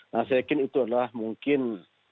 nah saya yakin itu adalah mungkin